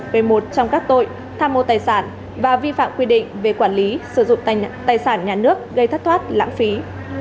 về một trong các tội tham mô tài sản và vi phạm quy định về quản lý sử dụng tài sản nhà nước gây thất thoát lãng phí